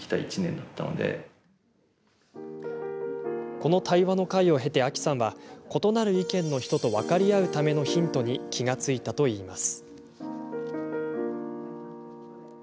この対話の会を経て、アキさんは異なる意見の人と分かり合うためのヒントに気が付いたといいます。